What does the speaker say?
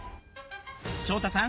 昇太さん